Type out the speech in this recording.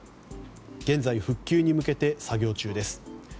現在、復旧に向けて作業中です。